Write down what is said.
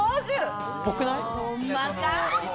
っぽくない？